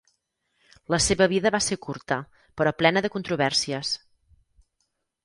La seva vida va ser curta però plena de controvèrsies.